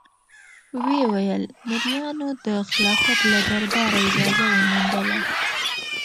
ویې ویل: مریانو د خلافت له دربار اجازه وموندله.